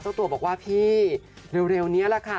เจ้าตัวบอกว่าพี่เร็วนี้แหละค่ะ